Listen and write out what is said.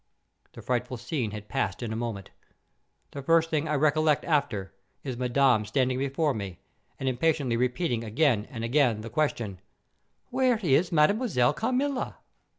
The frightful scene had passed in a moment. The first thing I recollect after, is Madame standing before me, and impatiently repeating again and again, the question, "Where is Mademoiselle Carmilla?"